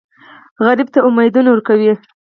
سوالګر ته امیدونه ورکوئ